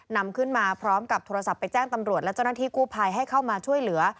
นำขึ้นมาพร้อมกับโทรศัพท์ไปแจ้งตำรวจและเจ้าหน้าที่กู้ภัยให้เข้ามาช่วยเหลือ